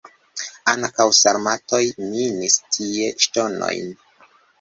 Ankaŭ sarmatoj minis tie ŝtonojn.